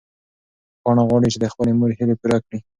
پاڼه غواړي چې د خپلې مور هیلې پوره کړي.